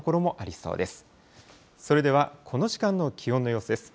それではこの時間の気温の様子です。